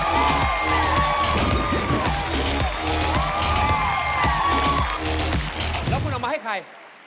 แล้วคุณเอามาให้ใคร